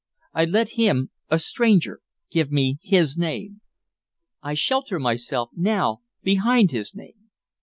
I let him, a stranger, give me his name. I shelter myself now behind his name.